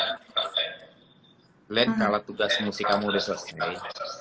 glenn kalau tugas musik kamu sudah selesai